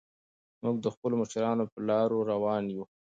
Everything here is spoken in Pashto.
موږ د خپلو مشرانو په لارو روان یو.